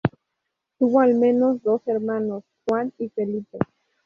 Tuvo, al menos, dos hermanos: Juan y Felipe.